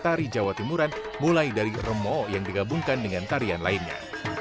tari jawa timuran mulai dari remo yang digabungkan dengan tarian lainnya